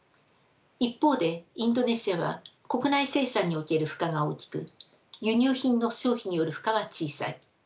一方でインドネシアは国内生産における負荷が大きく輸入品の消費による負荷は小さい。